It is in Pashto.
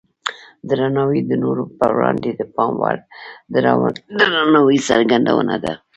درناوی د نورو په وړاندې د پام وړ درناوي څرګندونه ده.